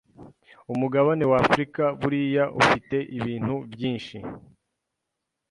Umugabane w’Afurika buriya ufite ibintu byinshi